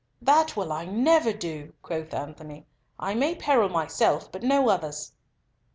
"That will I never do," quoth Antony. "I may peril myself, but no others."